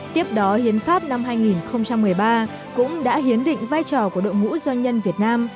tiếp đó hiến pháp năm hai nghìn một mươi ba cũng đã hiến định vai trò của đội ngũ doanh nhân việt nam